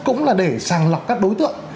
cũng là để sàng lọc các đối tượng